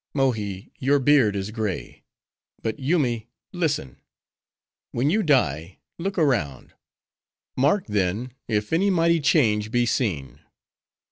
Mohi, your beard is gray; but, Yoomy, listen. When you die, look around; mark then if any mighty change be seen.